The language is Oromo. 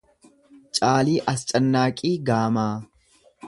Caalii Ascannaaqii Gaamaa